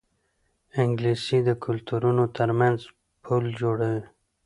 انګلیسي د کلتورونو ترمنځ پل جوړوي